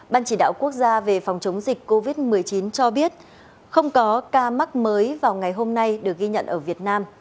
ban chỉ đạo quốc gia về phòng chống dịch covid một mươi chín cho biết không có ca mắc mới vào ngày hôm nay được ghi nhận ở việt nam